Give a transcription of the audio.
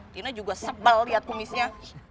tina juga sebel liat kumisnya